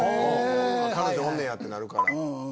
彼女おんねやってなるから。